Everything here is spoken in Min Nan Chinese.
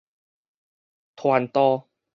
傳導